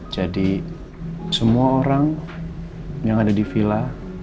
jadi semua orang yang ada di vila